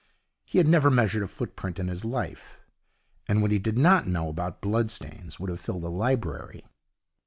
He had never measured a footprint in his life, and what he did not know about bloodstains would have filled a library.